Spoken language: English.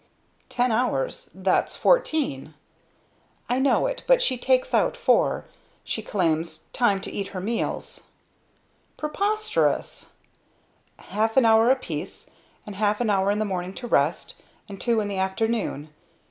"Ten hours that's fourteen." "I know it, but she takes out four. She claims time to eat her meals." "Preposterous!" "Half an hour apiece, and half an hour in the morning to rest and two in the afternoon.